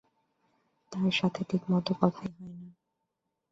তার সাথে ঠিকমতো কথাই হয়না।